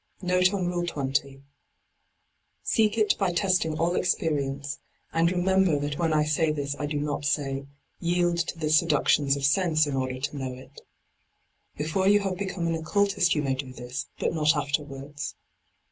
^ofe on Rule 20. — Seek it by testing all experience, and remember that when I say d by Google LIGHT ON THE PATH 2$ this I do not say, Yield to the seductions of sense in order to know it. Before you have become an occultist you may do this ; but not afterwards.